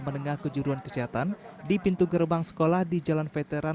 menengah kejuruan kesehatan di pintu gerbang sekolah di jalan veteran